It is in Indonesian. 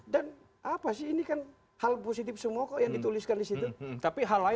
dan apa sih ini kan hal positif semua kok yang dituliskan di situ